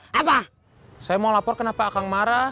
kata guru kita dulu kan